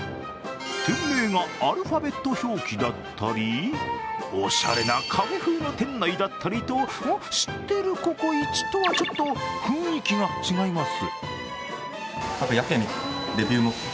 店名がアルファベット表記だったり、おしゃれなカフェ風の店内だったりと知っているココイチとはちょっと雰囲気が違います。